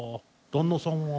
旦那さんと。